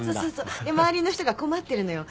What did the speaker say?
で周りの人が困ってるのよ。